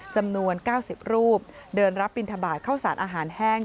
จำนวน๙๐รูปเดินรับบินทบาทเข้าสารอาหารแห้ง